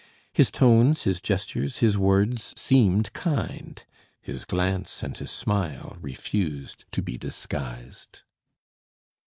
His tones, his gestures, his words, seemed kind: his glance and his smile refused to be disguised.